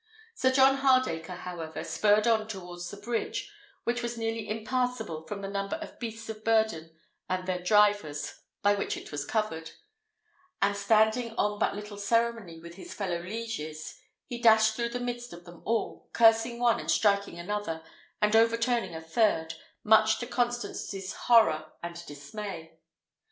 Sir John Hardacre, however, spurred on towards the bridge, which was nearly impassable from the number of beasts of burden and their drivers by which it was covered; and standing on but little ceremony with his fellow lieges, he dashed through the midst of them all, cursing one, and striking another, and overturning a third, much to Constance's horror and dismay.